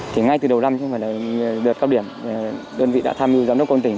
thì ngay từ đầu năm chứ không phải là đợt cao điểm đơn vị đã tham mưu giám đốc công tỉnh